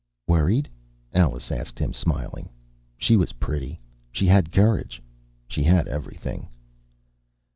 "Worried?" Alice asked him, smiling. She was pretty. She had courage. She had everything.